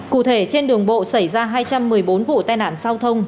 cụ thể trên đường bộ xảy ra hai trăm một mươi bốn vụ tai nạn giao thông